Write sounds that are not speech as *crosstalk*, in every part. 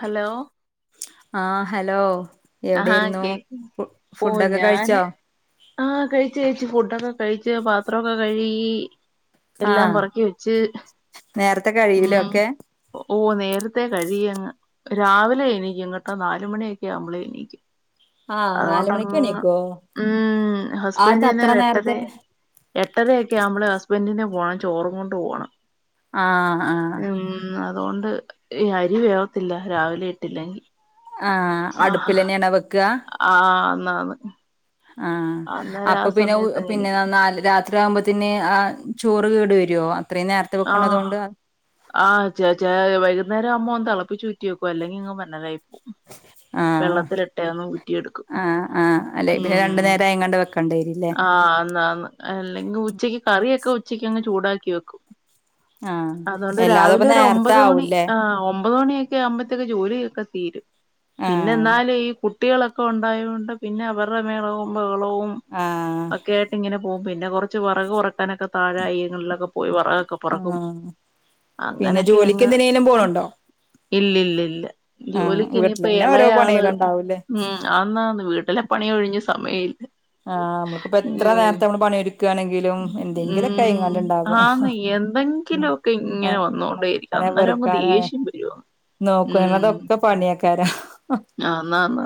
Hello ആഹ് hello ആഹാ എവിടെയായിരുന്നു കേക്ക് ഫു ഫുഡൊക്കെ കഴിച്ചോ ആ കഴിച്ചു കഴിച്ചു ഫുഡൊക്കെ കഴിച്ചു പാത്രൊക്കെ കഴുകി എല്ലാം ആഹ് പുറക്കി വെച്ച് നേരത്തെ കഴിയൂലേ ഉം ഒക്കെ ഓ നേരത്ത് ത്തെ കഴിയങ്ങ് രാവിലെ എണീക്കും കെട്ടാ നാലുമണിയൊക്കെയാകുമ്പളെ *unintelligible* ആഹ് നാല് മണിക്ക് അതുകൊണ്ട്ങ്ങ് എണീക്കോ ഉം അത് ഹസ്ബൻഡ് അത്ര തന്ന ഇട്ടത് നേരത്തെ എട്ടരൊക്കെയാകുമ്പള് ഹസ്ബൻഡിന് പോകണം ചോറും കൊണ്ട് പോകണം ആ ആ അതുകൊണ്ട് ഈ അരി വേവത്തില്ല രാവിലെ ഇട്ടില്ലെങ്കിൽ ആ അടുപ്പിൽന്നേ ആണോ വെക്കാ *unintelligible* ആ അന്നേരം ആ അപ്പൊ പിന്നെ സമയത്ത് അങ്ങ് പിന്നെ എണീക്കും നാളെ രാവില് എട്ടര ആകുമ്പോത്തിന് ആ ചോറ് കേട് വരോ അത്രയും നേരത്തെ ആ വെക്കണതോണ്ട് ആ ചാച്ചായി വരും അന്നേരം അമ്മ ഒന്ന് തളപ്പിച്ചൂട്ടി വെക്കും അല്ലെങ്കിൽ അങ്ങ് വല്ലാതെ ആയി പോകും ആഹ് വെള്ളത്തിലിട്ടേന്ന് ഊറ്റി എടുക്കും ആഹ് ആഹ് അല്ലെ പിന്നെ രണ്ടു ഉം നേരം ആയിങ്ങാണ്ട് വെക്കേണ്ടി വരില്ലേ ആന്ന് ആന്ന് ഉച്ചക്ക് കറിയൊക്കെ ഉച്ചക്ക് അങ്ങ് ചൂടാക്കി വെക്കും ആ അതുകൊണ്ട് എല്ലാതും രാവിലെ അപ്പൊ ഒരു നേരത്തെ ഒമ്പത് മണി ആവൂല്ലേ ആഹ് ഒമ്പത് മണിയാകുമ്പോഴത്തേക്ക് ജോലിയൊക്കെ തീരും പിന്നെ ആഹ് ഇന്നാല് ഈ കുട്ട കുട്ടികളൊക്കെ ഉണ്ടായതുകൊണ്ട് പിന്നെ അവരുടെ മേളകുമ്പോൾ ളവും ആഹ് ഒക്കെ ആയിട്ട് ഇങ്ങനെ പോകും പിന്നെ കുറച്ച് വിറക് ഉറക്കാനൊക്കെ താഴെ അയ്യങ്ങളിലൊക്കെ പോയി വേറെക് പുറക്കും ആഹ് പിന്നെ അങ്ങനൊക്കെ ജോലിക്ക് അങ്ങ് എന്തിനേലും പോണുണ്ടോ ഇല്ലല്ലല്ല ആഹ് ജോലിക്ക് ഇനിപ്പോ വീട്ടിലന്നെ ഓരോ ഇളയാള് പണികളുണ്ടാവൂല്ലേ ഉം ആന്ന് വീട്ടിലെ പണി ഒഴിഞ് സമയല്ല ആഹ് നമ്മുക്കിപ്പ എത്ര നേരത്തെ നമ്മള് പണിയൊടുക്കുകയാണെങ്കിലും എന്തെങ്കിലുംൊക്കെ അങ്ങാണ്ട് ഉണ്ടാകും എന്തെങ്കിലുമ ഒക്കെ ഇങ്ങനെ വന്നോണ്ടേയിരിക്കും അലക്കാനോ അന്നേരം അങ്ങ് പെറുക്കാനോ ദേഷ്യം വരുന്ന് ഉ നോക്കുന്നതൊക്കെ പണിയേക്കാരം അാന്നാ ന്ന്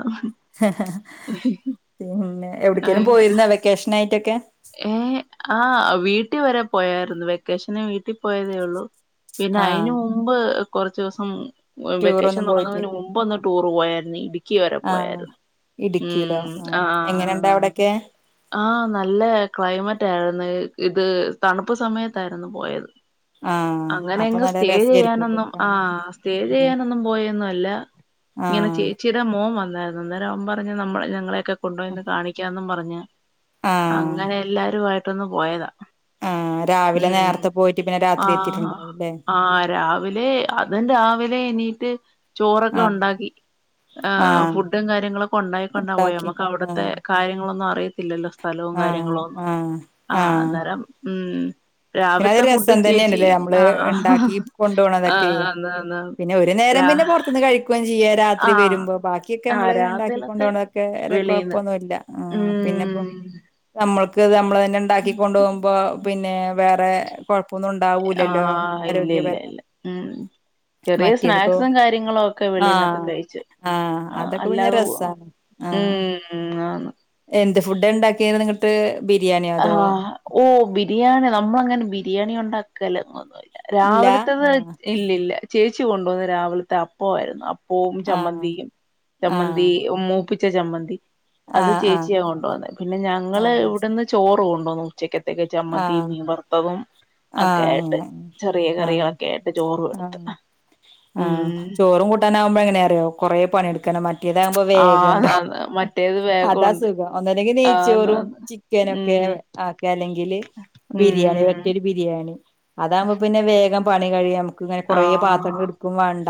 പി--ന്നെ ഒരിക്കലും പോയിരുന്നോ വെക്കേഷനായിട്ടൊക്കെ ഏ ആ വീട്ടി വരെ പോയരുന്നു വെക്കേഷന് വീട്ടിൽ പോയതേ ഉള്ളൂ പിന്നെ അയിന് ആഹ് മുമ്പ് കൊറച്ച് ദിവസം മോൻ വെക്കേഷൻ ടൂറൊന്നും തുടങ്ങുന്നതിന് മുമ്പ് ഒന്ന് ടൂർ പോയാരുന്ന് നീ ആഹ ഇടുക്കിയിലോ ആ ആഹ് എങ്ങനെണ്ടാ അവിടൊക്കെ ക്ലൈമറ്റ ആയിരുന്നു ഇത് തണുപ്പ് സമയത്തായിരുന്നു പോയത് ആഹ് അങ്ങനെ അപ്പൊ എങ്ങ് നല്ല സ്റ്റേ രസായിരിക്കൂല്ലേ ചെയ്യാനൊന്നും ആ കാണാന് സ്റ്റേ ചെയ്യാനൊന്നും പോയൊന്നും അല്ല ഇങ്ങനെ ആഹ് ചേച്ചിയുടെ മോൻ വന്ന് അതാരുന്ന് അന്നേരം അവൻ പറഞ്ഞ നമ്മൾ ഞങ്ങളെയൊക്കെ കൊണ്ടുപോയി ഒന്ന് കാണിക്കാന്നും പറഞ്ഞു ഞാൻ ആഹ് അങ്ങനെ എല്ലാരുവായിട്ട് പെട്ടന്ന് പോയതാ ആഹ് ഉ രാവിലെ നേരത്തെ പോയിട്ട് പിന്നെ രാത്രി ആ എത്തിയിട്ടുണ്ടാവുംല്ലേ ആ രാവിലെ അതും രാവിലെ എണീട്ട് ചോറൊക്കെ ആഹ് ഉണ്ടാക്കി ഫുഡും ചോറൊക്കെ ഉണ്ടാക്കി ആ ആഹ് ഫുഡും കാര്യങ്ങളൊക്കെ ഉണ്ടായിക്കൊണ്ടാ പോയെ ഉണ്ടാക്കി നമുക്ക് ആഹ് അവിടുത്തെകാര്യങ്ങളൊന്നും കാര്യങ്ങളൊന്നും അറിയ ഇല്ലല്ലോ ഫലവും ആഹ് കാര്യങ്ങളോ ഒന്നും ആഹ് ആഹ് അന്നേരം ഉം പിന്നെ അത് രാവിലത്തെ ഫുഡ് രസം ചേച്ചി തന്നെയണ്ടല്ലേ പിന്നെ അതൊരു രസം തന്നല്ലേ നമ്മള് ആഹ് ഉണ്ടാക്കി കൊണ്ട പോോണതൊക്കെ ആഹ് ആന്ന് പിന്നെ ഒരു നേരം രാ പിന്നെ പുറത്തുന്ന് കഴിക്കുകയും ചെയ്യ രാത്രി ആഹ് വരുമ്പോ ബാക്കിയൊക്കെ ആഹ് നമ്മള് രാത്രിയിലത്തെ ഉണ്ടാക്കിക്കൊണ്ടോണതൊക്കെ വ വെളീന്ന് കുഴപ്പൊന്നുമല്ല പിന്നെപ്പോ ഉം നമ്മൾ നമ്മളന്നെ ഉണ്ടാക്കിക്കൊണ്ടു പോോകുമ്പോ പിന്നെ വേറെ കുഴ ആഹ ഇല്ലില്ലല്ല ഉം ചെറിയ മറ്റേതിപ്പോ സ്നാക്സും കാര്യങ്ങളും ഒക്കെ വെളീന്നൊക്കെ ആഹ് കഴിിച്ചു ആഹ് ആ അതൊക്കെ പിന്നെ അല്ലാതെ രസാണ് ഉം ആന്ന് ഫുഡ് ഉണ്ടാക്കിയത് നിങ്ങട്ട് ആഹ ഓ ബിരിയാണ നമ്മള അങ്ങനെ ബിരിയാണി ഉണ്ടാക്കല. ഇല്ല രാവിലത്തത്, ആഹ് ഇല്ലില്ല. ചേച്ചി കൊണ്ടുവന്ന് രാവിലത്തെ അപ്പോ ആരുന്നു അപ്പവും ആഹ് ചമ്മന്തിയും ചമ്മന്തി മൂ പ്പിച്ചെ ജമ്മണതി അത് ആഹ് ആഹ് ആഹ് ചേച്ചിയാ കൊണ്ട വന്നത്, പിന്നെ ഞങ്ങള്ൾ ആഹ് ഇവിടുന്ന് ഓറുണ്ടോ ഉച്ചക്കത്തക്ക ചമ്മത്തിയും ആഹ് മീൻ വറുത്തതും ഒക്കെ ആഹ് ആയിട്ട്, അങ്ങനെ ചെറിയ ആഹ് കറികളൊക്കെ ആയിട്ട് ചോറും എടുത്ത് ആഹ് ഉം ആഹ് പണിടുക്കണം മ താകുമ്പോ, വേഗണ്ട് ആന്ന് ആന്ന് മറ്റേത് അതാ വേഗമുണ്ട് സുഖം ഒന്ന ല്ലെങ്കി ആന്ന് നെയ്ച്ചോറും ആന്ന് ചിക്കനൊക്കെ, ഉം ആക്ക അല്ലെങ്കി *unintelligible* ബിരിയാണി ഉം വറ്റ ബിരിയാ *unintelligible* അതാവുമ്പോ പിന്നെ വേഗം പണി കഴിയാ *unintelligible* കൊറേ ആഹ് പാത്രങ്ങൾ എടുക്കും വേണ്ട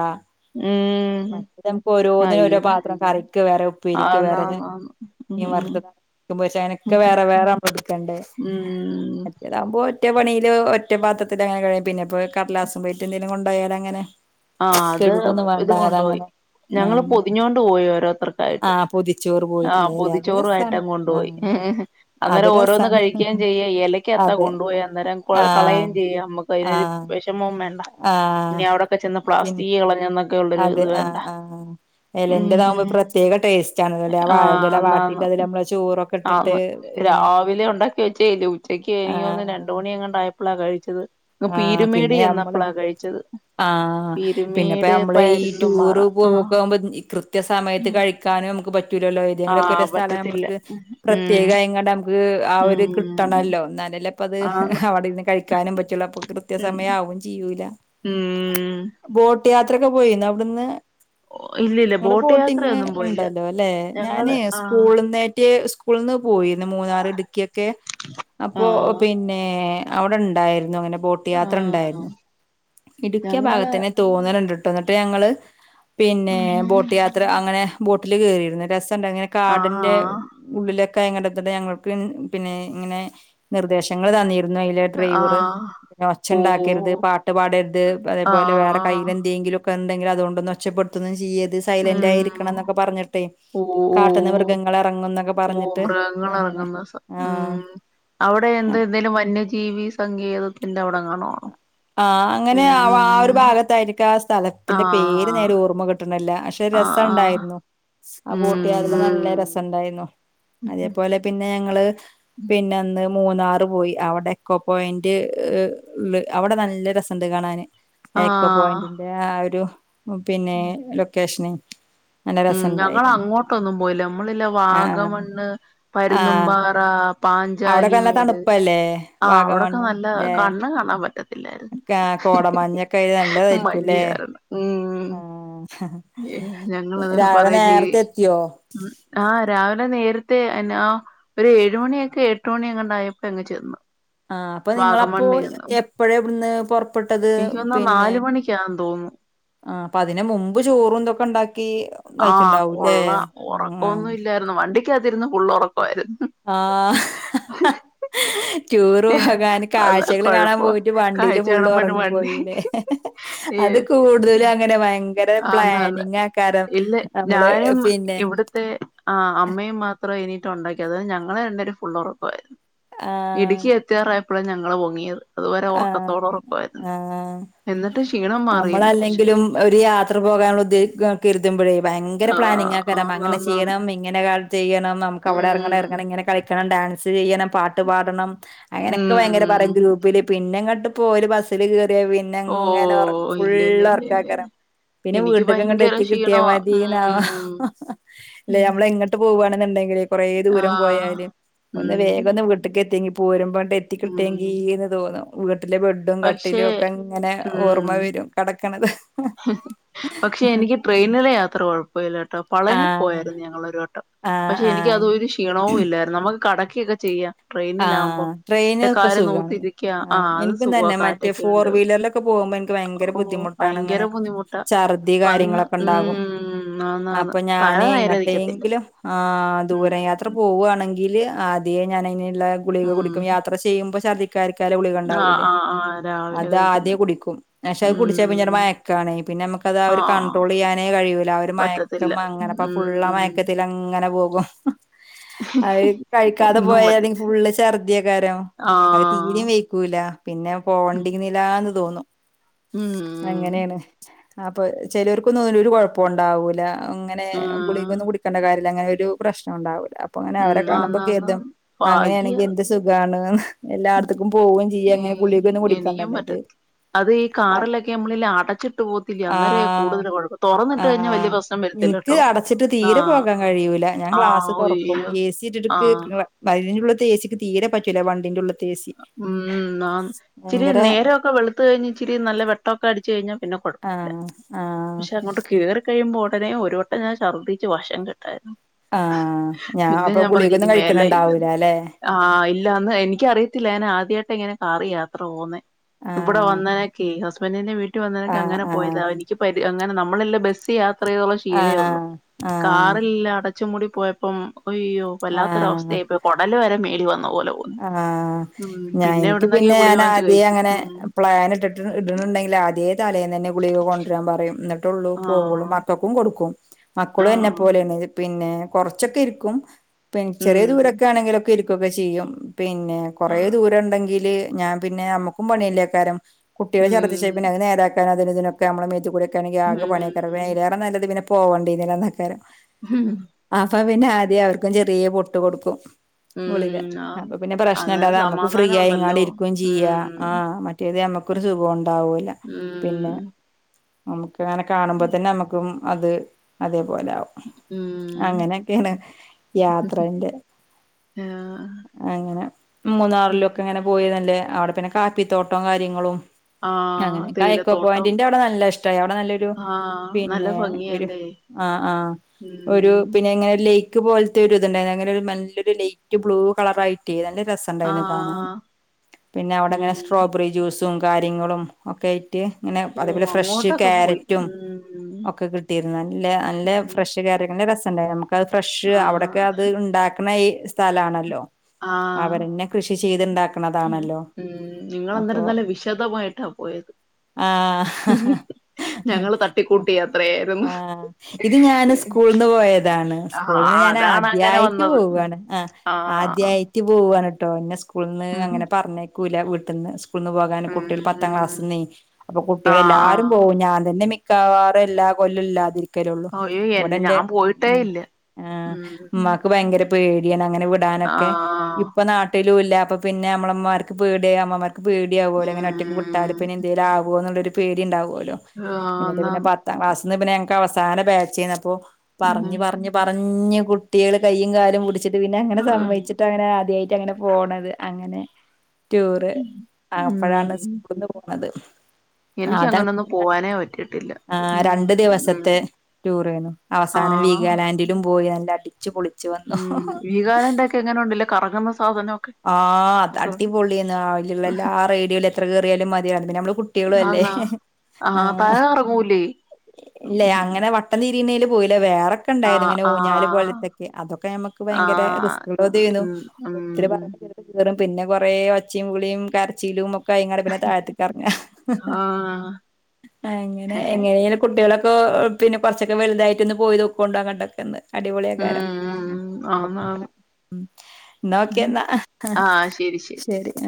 ഉം മറ്റേ നമുക്ക് ഓരോന്നിനും ആഹ് ഓരോ ഇത് പാത്രം കറിക്ക് വേറെ ഉപ്പേരിക്ക് ആന്ന് വേറെ ല്ലെ ആന്ന് ആന്ന് ഉം മീൻ വറുത്തുമ്പോെ അങ്ങനൊക്കെ ഉം വേറെ വേറെ നമ്മ എടുക്കേണ്ടണ്ട് *unintelligible* ഒറ്റ പണിയില് ഒറ്റ പാത്രത്തിൽ അങ്ങനെ പിന്നെ കടലാസം പ്ലേറ്റ് എന്തെങ്കിലും കൊണ്ടായാൽ അങ്ങനെ ആ അത് കഴുകൊന്നും ഇത് വേണ്ട കൊണ്ടോയി അതങ്ങനെ ഞങ്ങള് ആഹ് പൊതിഞ്ഞോണ്ട് പോയി ഓരോരുത്തർക്കായിട്ട് ആഹ് പൊതിച്ചോറ് ആ പോയിട്ടില്ലേല്ലേ അത് പൊതിച്ചോറുയിട്ട് രസാണ് കൊണ്ടു പോയി ആഹ് അത് അന്നേരം ഓരോന്ന് രസാണ് കഴിക്ക ചെയ്യാ ഇലയ്ക്ക് എത്താൻ അതെ കൊണ്ടോയേ അന്നേരം ആഹ് കളയും ചെയ്യാം നമുക്ക് അയിനൊരു ആഹ് വിഷമവും വേണ്ട ആഹ് ഇനി അവിടൊക്കെ ചെന്ന് പിൻ പ്ലാസ്റ്റി കളഞ്ഞന്ന് അതെ ആ ആ ഉം ഇലയിൽ ആകുമ്പോൾ പ്രത്യേക ടേസ്റ്റ് ആണല്ലേ ആ വാഴില വാട്ടീട്ട് ആ രാവിലെ ഉണ്ടാക്കി വെച്ചേല്ലേ ഉച്ചക്ക്‌ എനിക്കൊന്ന് ന്ന് ആഹ് രണ്ട് മണി ആയപ്പ അപ്പളാണ് കഴിച്ചത് അ പീരുമേടി എന്നപ്പളാ കഴിച്ചത് ആഹ പിന്നെപ്പ പീരുമേട് നമ്മള് ഈ പരുന്തുംമ്പാറ ടൂറ് ആഹ് പോക്കുമ്പോ കൃത്യ സമയത്ത് കഴിക്കാനും മ്മക്ക് പറ്റ് പറ്റൂലല്ലോ ആഹ് ഏതങ്കിലുംസ്ഥലം പറ്റത്തില്ല നമ്മള്ക്ക് ഉം പ്രത്യേക ആയിങ്ങാണ്ട് നമുക്ക് ആ ഒരു ഉം കിട്ടണല്ലോ എന്നലല്ലേ അപ്പ അത് ആന്ന് അവിടെന്ന് കഴിക്കാനും പറ്റിയുള്ള ഉം കൃത്യസമയമാവു ചെയ്യും കുല ഉം വോ ട്ടയാത്രയക്കെ പോയിന്നോ അ വിടുന്ന് ഇല്ലില്ല ബോട്ട് ബോട്ടിങ് യാത്രയൊന്നും പോയില്ല ഉണ്ടല്ലോ അല്ലെ ഞാൻ ഞങ്ങള് ആ സ്കൂളന്നേറ്റ് സക്കു സ്കൂളിന്ന് പോയിന്ന് മൂന്നാർ ഇടുക്കിയൊക്കെ ആ അപ്പോ പിന്നെ അവിടെ ഉണ്ടായിരുന്നു അങ്ങനെ ബോട്ട് ആ യാത്ര ഉണ്ടായിരുന്നു ഇടുക്കിയ ഞങ്ങള് ഭാഗത്തന്നെ തോന്നുന്നത് *unintelligible* ഞങ്ങള് പിന്നെ ഉം ബോട്ട് യാത്ര അങ്ങനെ ബോട്ടിൽ കയറിയിരുന്നു രസ അങ്ങനെ ആ കാടന്റെ ഉള്ളിലൊ കയ കണ്ടത്തിട്ട് ഞങ്ങൾക്ക് പിന്നെ ഇങ്ങനെ നിർദ്ദേശങ്ങൾ തന്നി അ ആ ഡ്രൈവർ പിന്നെ ഒച്ച ഓ ഉണ്ടാക്കരുത് പാട്ട് പാടരു ആ അതേപോലെ വേറെ കയ്യിൽ എന്തെങ്കിലും എന്തെങ്കില അതുകൊന്ന് ഒെപ്പെടുത്തുന്നു ചെയ്യ ഉ ഓ ഓ കാട്ട്ന്ന് മൃഗങ്ങൾ ഇറങ്ങും എന്നൊക്കെ ഓ പറഞ്ഞിട്ട് മൃഗങ്ങ അങ്ങനെ ഇറങ്ങുന്ന ആഹ് ഉം അവിടെ എന്ത എന്തേിലും വന്യജീവി സങ്കേതത്തിന്റെ അവിടെ ആഹ അങ്ങനെ ആ ആ ഒരു ഭാഗത്തായിരിക്കാം ആ ആ സ്ഥലത്തിന്റെ പേര് നേരെ ഓർമ്മ കിട്ടണില്ലക്ഷെ ആ രസം ആ ഉണ്ടായിരുന്നു ആ പൂട്ടിയ ഉം നല്ല രസ ഇണ്ടായിരുന്നു അതേപോലെ പിന്നെ ഞങ്ങള് പിന്നെന്ന് മൂന്നാറ് പോയി അവിടെ എക്കോ പോയിന്റ് ഉള്ള അവിടെ നല്ല രസംുണ്ട് കാണാന് ക്കോ ആ പോയിന്റിന്റെ ആ ഒരു പിന്നെ ലൊക്കേഷന് നല്ല ഉം ഞങ്ങ രസണ്ടായിരുന്നു അങ്ങോട്ടൊന്നും പോയിില്ല നമ്മളില്ല ആഹ് വാഗമണ്ണ് പരുന്തും ആഹ് പാറ അവിടൊക്കെ പാഞ്ചാലി നല്ല മേട് തണുപ്പല്ലേ ആ അവിടൊക്കെ വാഗമണ്ണ് നല്ല ല്ലേ കണ്ണ് കാണാൻ പറ്റത്തില്ലായിരുന്നു ആ കോടമഞ്ഞൊക്കെ ആയി നല്ലതായിരിക്കുംല്ലേ മഞ്ഞുകാരണം ഉ ആഹ് ഉം രാവിലെ പറ ചെയ നേരത്തെ എത്തിയോ? ആ രാവിലെ നേരി മ അെ ആ ഒരു ഏഴ മണിയൊക്കെ എട്ട് മണി അങ്ങണ്ടായപ്പോ എങ്ങങ് ചെന്നു ആഹ അപ്പൊ നിങ്ങള അപ്പോൊ എപ്പഴ എവിടുന്ന് പുൊറപ്പെട്ടത് എനിക്ക് തോന്നുന്നു പിന്നെ നാല് മണിക്കാന്ന് തോന്നുന്നു ആ അപ്പൊ അതിനന് മുമ്പ് ചോറും എന്തൊക്കെ ഉണ്ടാക്കി ആഹ് കഴിച്ചിണ്ടാവൂല്ലേ? കൊള്ള ഉറക്കൊന്നും ഇല്ലായിരുന്നു വണ്ടി ാതിരുരുന്നു ഉുള്ള ഉറം ആ ടൂർ ഏഹ് പോകാന് അതാ കാഴ്ചകള് കാണാൻ കൊഴപ്പം പോയിട്ട് വണ്ടിയില് കാഴ്ച ഫുള്ള് കാണാൻ വേണ്ടി ഉറങ്ങി വണ്ടി പോയില്േ അത് ഏഹ് കൂടുതലും അങ്ങനെ ഭയങ്കര ആന്നാന്ന് പ്ലാനിങ് ആക്കാറ ഇല്ല ഞാനും ഇവിടത്തെ ആ അമ്മയും മാത് ഇത്ര എണീറ്റ് ഉണ്ടാക്കി അത് ഞങ്ങളെ *unintelligible* ഇടുക്കി എത്തിയറ ഇപ്പള ഞങ്ങള് ഒങ്ങിയറ് ആ ആ എന്നിട്ട് ക്ഷീണം മാറിയില്ല പക്ഷെ നമ്മളല്ലെങ്കിലും ഒരു യാത്ര പോകാനുള്ള *unintelligible* ത്തുമ്പഴേ ഭയങ്കര ആഹ് പ്ലാനിങ്ങാക്കാരം അങ്ങനെ ആന്നാന്നാന്ന് ചെയ്യണം ഇങ്ങനെ കാ ചെയ്യണം നമുക്ക് അവിടെ ഇറങ്ങണം ഇറങ്ങണം ഉം ഇങ്ങനെ കളിക്കണം ഡാൻസ് ചെയ്യണം പാട്ട് പാടണം അങ്ങനൊക്കെ ഭയങ്കര ഉം പറിം ഗ്രൂപ്പില് ഇങ്ങട്ട് പോര് ബസില് കേ പിന്നെങ്ങനെ ഒർ ഓഹ് ഇല്ല ഇല്ല ഫുള്ള് ഇല്ല ഇല്ല ഇല്ല ഒർക്കാക്കാരം പിന്നെ എനിക്ക് വീട്ട്ക്ക്ങ്ങട്ട് ഭയങ്കര എത്തി കിട്ടിയാ ക്ഷീണവാ മതീന്നവ് ഉം ല്ലെ മ്മള് എങ്ങട്ട് പോവാണെന്നുണ്ടെങ്കില് കൊറേ ദൂരം ആഹ് പോയാല് ഒന്ന് ഉം വേഗം ഒന്ന് വീട്ട്ക്ക് എത്യങ്കി പോരുമ്പം ഉം എത്തിക്കിട്ടേങ്കിന്ന് തോന്നും *unintelligible* ലെ ബെഡും പക്ഷേ കട്ടിലും ഒക്കെങ്ങനെ ഓർമ്മ ഉം വരും കടക് കണത് പക്ഷെ എനിക്ക് ട്രെയിനില് യാത്ര കൊഴപ്പില്ലാട്ടോ പളനി ആഹ് പോയാരുന്നു ഞങ്ങളൊരു വട്ടം ആഹ് പക്ഷെ എനിക്ക് ആഹ് അതൊരു ക്ഷീണവും ഇല്ലായിരുന്നു നമ്മ കടക്കിയൊക്കെ ചെയ്യാ ആ ട്രെയിനൊക്കെ സുഖമാണ് നൂത്തിരിക്ക ആ അത് എനിക്കും സുഖവാ തന്നെ മറ്റേ കാറ്റൊക്കെ ഫോർ ഉണ്ട് വീലറിലൊക്കെ പോകുമ്പോ എനിക്ക് ഭയങ്കര ഓ ബുദ്ധിമുട്ടാണ് ഭയങ്കര അങ്ങനെ ബുദ്ധിമുട്ടാ ഛർദി വന്ന് കാര്യങ്ങളൊക്കെ ഉണ്ടാകും ഉം ആന്നാന്ന് അപ്പൊ ഞാൻ തല നേരെ നിക്കത്തില്ല എങ്ങട്ടെങ്കിലും ആ ദൂരയാത്ര ഉം പോവുകയാണെങ്കില് അതിയെ ഞാൻ അയിന് ള്ള ഗുളിക ഉം കുടിക്കും യാത്ര ചെയ്യുമ്പോ ശര്ദി *unintelligible* ഗുളിക ആ ഉണ്ടാവൂല്ലേ ആ ആ രാവിലെ അത് കഴിക്കുന്ന ആദ്യം കുടിക്കും പക്ഷെ അത് കുടിച്ചാ പിന്നൊരു ഉം മയക്കാണ് പിന്നെ നമുക്കത് ആ ഒരു കണ്ട്രോൾ ചെയ്യാനേ കഴിയൂല ആ ഒരു മയക്കം പറ്റത്തില്ല അങ്ങനെപ്പ ഫുള് ആ ഉം മയക്കത്തിൽ അങ്ങനെ പോവു *unintelligible* അത് കഴിക്കാതെ ഒന്നും പോയാല് പറ്റത്തി ഫുള്ള് ഛർദിയക്കാരോ ആ അത് തീരയും വെയക്കൂല പിന്നെ പോവാണ്ടില്ലന്നെ തോന്നും ഉം അങ്ങനെയാണ് അപ്പ ചിലവർക്കൊന്നും ഒരു കൊഴപ്പണ്ടാവൂല അങ്ങനെ ഗുളികന്ന് ഉം കുടിക്കേണ്ട കാര്യ അ അങ്ങനെ ഒരു പ്രശ്നം ഉണ്ടാവു അപ്പൊ അങ്ങനെ ഉം അവരെ കാണുമ്പോ ആന്നാന്ന് കേതും ആന്ന്. ഭാഗ്യ അങ്ങനെയാണെങ്കി എന്ത് സുഖാണ് എല്ലായിടത്തക്കും പോവയും ചെയ്യ അങ്ങനെ ഉം, ഗുള്ളികങ്ങനെ എനിക്കും കുടിക്കണ്ടല്ലേ പറ്റ ഇത് അത് ഈ ആ കാറിലൊക്കെ നമ്മളിൽ അടച്ചിട്ട് പോകത്തില്ലേ അന്നേരേ ആഹ കൂടുതൽ കുഴപ്പം ആ തുറന്നിട്ട് കഴിഞ്ഞാൽ വലിയ പ്രശ്നം വരത്തില്ല എനിക്ക് കേട്ടോ അടച്ചിട്ട് തീരെ ആഹ് പോകാൻ കഴിയൂല ഞാൻ ക്ലാസ് ആഹ് തുറക്കും ഒയ്യോ എ സി ഇട്ടിട്ട് ആഹ് അതിന്റെള്ളത്തെ എസിക്ക് തീരെ പറ്റില്ല വണ്ടിന്റുള്ള് ത്തെ ഉം ആ ചിരി ഭയങ്കര നേരമൊക്കെ വെളുത്ത കഴിഞ്ഞ് ഇച്ചിരി നല്ല വെട്ടമൊക്കെ അടിച്ചു കഴിഞ്ഞഞ് പിന്നെ കുഴപ്പില്ല ആഹ് ആഹ് പക്ഷെ അങ്ങോട്ട് കേറി കഴിയുമ്പോ അത്രേയും ഒരു വട്ടം ഞാൻ ഛർദിച്ച് വശം കട്ടായിരുന്നു ആഹ ഞാൻ അപ്പൊ ഗുളിക ഇനി ഒന്നും മേലെ ഇല്ലെന്ന് കഴിക്കണണ്ടാവൂലല്ലെ ഞൻ ആദ്യമായിട്ട് എങ്ങനെ കാറ് യാത്ര പോകുന്നേ ഇവിടെ ആഹ് വന്നനക്കെ *unintelligible* *unintelligible* ആഹ് അങ്ങനെ പോയത ആഹ് എനിക്ക് പരി അങ്ങനെ നമ്മളല്ല ബസ് യാ അത്രയോളം ശീലേ ഉള്ളു ആഹ് ആഹ് കാറില്ലട ച്ചുമൂടി പോയപ്പം അയ്യോ അല്ലാത്തരവസ്ഥയ ഇപ്പ കൊടല് വരെ മേ ഇവ ആഹ ഞാൻ എനിക്ക് എവിടന്നൊക്കെയോ പിന്നെ ഗുളിക ഞാൻ വാങ്ങിച്ചു ആദ്യേ കഴിച്ചു അങ്ങനെ ഉം പ്ലാൻ ഇട്ടിട്ട് ഇടുന്നുണ്ടെങ്കിൽ ആദ്യേ തലേന്ന് തന്നെ ഗുളിക കൊണ്ടര്യാൻ പറയും ട്ടൊള്ളൂ പോവുള്ളൂ ആഹ് മക്കൾക്കും കൊടുക്കും മക്കളും എന്നെ ആഹ് പോലെയാണ് പിന്നെ കൊറച്ചൊക്കെ ഇരിക്കും പെ ചെറിയ ഉം ദൂരൊക്കെ ആണെങ്കിലൊക്കെ ഇരി കൊക്കെ ചെയ്യും പിന്നെ കുറേ ദൂരം ഇണ്ടെങ്കിൽ ഞാൻ പിന്നെ ഞമ്മക്കും പണിയല്ലേക്കാരം കുട്ടികൾ ചർദ്ദിച്ചേ ഉം പിന്നെ നേരാാക്കാനാ അതിന് ഇതിനൊക്കെ നമ്മുടെ മേത്ത് കൂടെ ഉം *unintelligible* പോകേണ്ടി ന്നീ ലെന്നെക്കാരം ഉം അപ്പ പിന്നെ ആദ്യം അവർക്കും ചെറിയ പൊട്ട് *unintelligible* കൊടുക്കും ഗുളിക ഉം ആന്ന് അപ്പൊ പിന്നെ അന്നേരം പ്രശ്നയില്ലാതെ നമ്മുക്ക് ഫ്രീ സമാധാനം ആയി ഉണ്ടല്ലോ ഇങ്ങാട് ഇരിക്കേയെചെയ്യാം ഉം ആഹ മറ്റേത് നമ ഒരു സുഖം ഉണ്ട് ഉണ്ടാവാവുല്യ പിന്നെ ഉം നമക്ക് ആ അങ്ങന കാണുമ്പോൾ തന്നെ നമുക്കും അത് അതെ പോലാവും ഉം അങ്ങനെയൊക്കെയാണ് യാത്രന്റെ ആഹ് അങ്ങനെ മൂന്നാറിലെക്കെ ഇങ്ങനെ പോയ നല്ലാതാ അവിടെ പിന്നെ കാപ്പിത്തോട്ടം കാര്യങ്ങളും ആഹ് ഞങ്ങക്കേ എയക്കോ തേയിലത്തോട്ടം പോയിന്റിന്റെ അവിടെ നല്ല ഇഷ്ടമായി അവിടെ നല്ലൊരു ആഹ് നല്ല പിന്നെ ഒരു ഭംഗിയല്ലേ ആ ആ ഒരു ഉം പിന്നെ ഇങ്ങനെ ഒരു ലെക്ക് ഇപോലത്തെ ഒരു ഇതുണ്ടായിരുന്നു അങ്ങനെ ഒരു നല്ലൊരു ലൈറ്റ് ബ്ലൂ കളറാഇട്ടി നല്ലൊരു രസമുണ്ടായിനി കാണാൻ ആഹ് പിന്നെ അവിടെ ഉം സ്ട്രോബറി ജ്യൂസ് *unintelligible* കാര്യങ്ങളും ഒക്കെ ഇങ്ങനെ ഓ അതേപോലെ ഫ്രഷ് അങ്ങോട്ടൊക്കെ പോയി കാരറ്റും ഉം ഒക്കെ കിട്ടിയിരുന്നു നല്ല നല്ല ഉം ഫ്രഷ് കാരറ്റ് നല്ല രസം *unintelligible* അത് ഫ്രഷ് അവിടെയൊക്കെ ആഹ് അത് ഉണ്ടാക്കണ ഈ സ്ഥലാണല്ലോ ആ അവരന്നെ കൃഷി ഉം ചെയ്തുണ്ടാക്കണതാണല്ലോ അപ്പൊ നിങ്ങളന്നേരം നല്ല വിശദമായിട്ടാ പോയത് ഞങ്ങൾ തട്ടി ആഹ് കൂട്ടി യാത്ര ആയിരുന്നു ആഹ് സ്കൂളിന് ഞാൻ ആദ്യായിട്ട് ഉം പോവാണ് ആ ആഹ് ആദി പോവുവാനുട്ടോ ഞാൻ സ്കു സ്കൂളന്ന് ഉം അങ്ങനെ പറഞ്ഞേക്കും കൂല വീട്ട്ന്ന് *inaudible* സ്കൂള നിന്ന് പോകാൻ കുട്ടികൾ പത്താം ഉം ക്ലാസിന്നെ അപ്പൊ കുട്ടികൾ ആഹ് എല്ലാരും ആഹ് പോവും ഞാൻ തന്നെ മി ക്കവാറും എല്ലാ കൊല്ല ഇല്ലാതിരിക്കും കരള്ളൂ അയ്യോ ഇവിടെ എന്നെ എന്റെ ഞാൻ പോയിട്ടേ ഉം ഇല്ല ഉം ഉമ്മാക്ക് ഭയങ്കര പേടിയാണ് അങ്ങനെ വിടാന ക്കെ ആഹ് ഇപ്പൊ നാട്ടിൽ ടൂല്ല അപ്പ പിന്നെ നമ്മടാമ്മർക്ക് പേടിആയി അമ്മമാർ പേടിയാവോ അവരെ അങ്ങനെ ഒറ്റക്ക് വിട്ടാലോ ഉം പിന്നെന്തെലുംവോ എന്നുള്ളരു പേടി ഉണ്ടാവുകോ ആഹ് എന്നിട്ട് എന്നാ പിന്നെ പത്താം ക്ലാസ്സ് ഇന്ന് പിന്നെ ഞങ്ങൾക്ക് അവസാന ബാച്ചിന്നപ്പോൾ പറഞ്ഞു പറഞ്ഞു പറഞ്ഞു കുഞ്ഞ കുട്ടികള്‌ കൈയും കാലും പിടിച്ചു ചിട്ട് പിന്നെ അങ്ങനെ സം ഉം അങ്ങനെ ആദ്യായിട്ട് അങ്ങനെ പോണത് അങ്ങനെ ടൂറ് അപ്പോഴാണ് ഉം സ്കൂന്ന് പോ അത എനിക്ക് അതങ്ങ അങ്ങനൊന്നും പോവാനേ പറ്റിയിട്ടില്ല ആ ഉം രണ്ടു ഉം ദിവസത്തെ ടൂറായിരുന്നു അവസാനം ആഹ് വീഗാലാൻഡിലും പോയി അടിച്ചു പൊളി ഉം വിഗാലാ‌ൻഡോക്കെ എങ്ങനെ ഉണ്ടല്ലേ കറങ്ങ ആ അടിപൊളിന്ന് ആവിടുലുള്ള എല്ലാ റൈഡിയില എത്ര കേയറിയാലും മതിയത്തില്ല പിന്നെ നമ്മള് കുട്ടികളും അല്ലേ ആന്നാ ആ ആഹ് താഴെ കറങ്ങൂലേ ഇല്ലെ ഉം അങ്ങനെ വട്ടം തീരിന്നേലും പോയില വേ ക്ക ഉണ്ടായിരുന്നു ആഹ് ഇങ്ങനെ ഊഞ്ഞാല് ആഹ് പോലത്തൊക്കെ അതൊക്കെ നമ്മക്ക് ഭയങ്കര ആഹ് റിസ്ക്കുള്ളുത് ഉം ഉം കറും പിന്നെ കൊറേ ഒച്ചയുംവിളിയും കരച്ചിലും കങ്ങ പിന്നെ താഴത്തിക്കറങ്ങ, ആഹ് എങ്ങനെ എങ്ങനെലും കുട്ടികളെ പിന്നെറച്ചൊക്കെ വലുതായിട്ടൊ പോയി നോക്കോണ്ടോങ്ങണ്ടൊക്കെന്ന് അടിപൊളിയ ഉം കാരം ഉം ആന്നാന്ന് നോക്കിയന്താ ആ ശരി ശരി ഏ